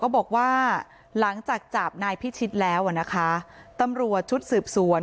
บอกว่าหลังจากจับนายพิชิตแล้วอ่ะนะคะตำรวจชุดสืบสวน